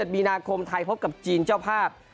มีนาคมไทยพบกับจีนเจ้าภาพ